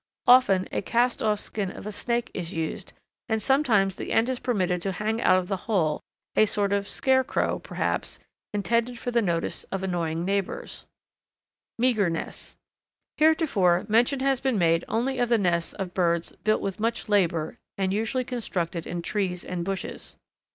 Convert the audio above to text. Often a cast off skin of a snake is used, and sometimes the end is permitted to hang out of the hole a sort of "scare crow," perhaps, intended for the notice of annoying neighbours. [Illustration: A male plumbous gnatcatcher feeding young] Meagre Nests. Heretofore, mention has been made only of the nests of birds built with much labour and usually constructed in trees or bushes.